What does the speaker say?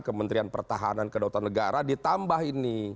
kementerian pertahanan kedaulatan negara ditambah ini